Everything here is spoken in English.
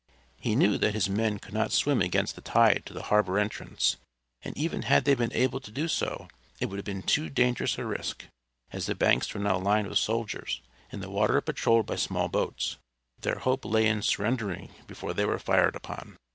He knew that his men could not swim against the tide to the harbor entrance, and even had they been able to do so it would have been too dangerous a risk, as the banks were now lined with soldiers, and the water patrolled by small boats. Their hope lay in surrendering before they were fired upon.